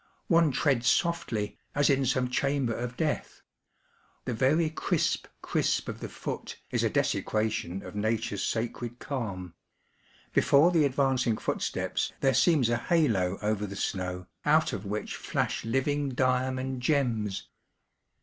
One treads softly, as in some chamber of death ; the very crisp, crisp of the foot is a desecration of Nature's sacred calm. Before the advancing footsteps there seems a halo over the snow, out of which flash tiving diamond gems.